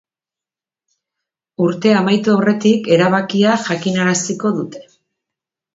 Urtea amaitu aurretik, erabakia jakinaraziko dute.